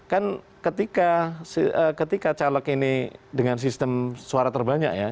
kan ketika caleg ini dengan sistem suara terbanyak ya